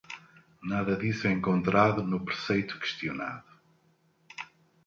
Nada disso é encontrado no preceito questionado.